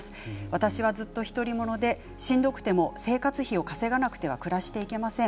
私はずっと独り者でしんどくても生活費を稼がなくては暮らしていけません。